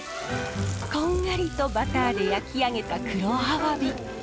こんがりとバターで焼き上げた黒アワビ。